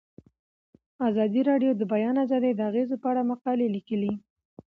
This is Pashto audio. ازادي راډیو د د بیان آزادي د اغیزو په اړه مقالو لیکلي.